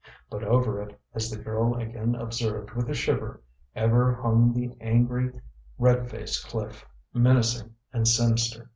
But over it, as the girl again observed with a shiver, ever hung the angry, red faced cliff, menacing and sinister.